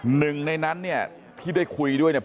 หนึ่งในนั้นเนี่ยที่ได้คุยด้วยเนี่ย